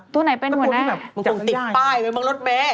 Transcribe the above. ตัวนี้แบบติดป้ายไว้บางรถแม่